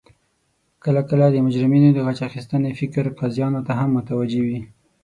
کله کله د مجرمینو د غچ اخستنې فکر قاضیانو ته هم متوجه وي